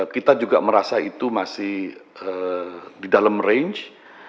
kita juga merasa itu masih di dalam range